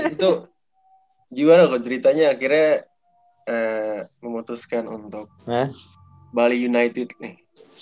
itu gimana kok ceritanya akhirnya memutuskan untuk bali united nih